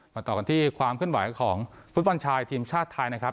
ต่อกันที่ความเคลื่อนไหวของฟุตบอลชายทีมชาติไทยนะครับ